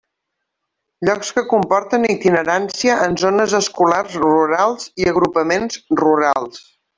Llocs que comporten itinerància en zones escolars rurals i agrupaments rurals.